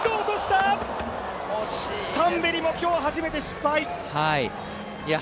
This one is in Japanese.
タンベリも今日初めて失敗。